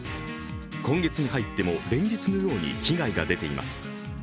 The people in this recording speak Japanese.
今月に入っても連日のように被害が出ています。